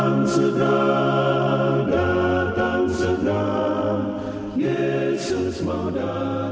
yesus mau datang sederhana